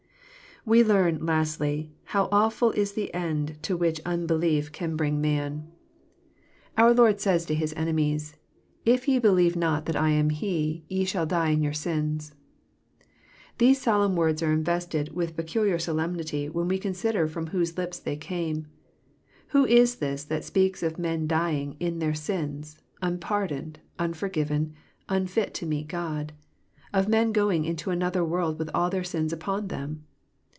We learn, lastly, how awfvl is the end to which unbeliej /I / 90 EXP06ITORT THOUOHTS. eon bring man. Oor Lord says to his enemies, '^ If ye believe not that I am He, ye shall die in yomr sins. These solemn words are invested with pecoliar solemnity when we consider from whose lips they came. Who is this that speaks of men dying *^ in their sins, unpardoned, nnforgiven, nnfit to meet God,— of men going into another world with all their sins upon them?